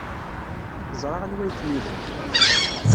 Teẓra anwa ay kem-llan.